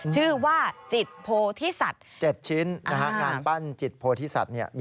ชื่อว่าจิตโพธิสัตว์